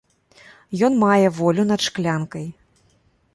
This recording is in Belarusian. Ён мае волю над шклянкай.